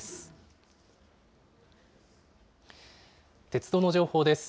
鉄道の情報です。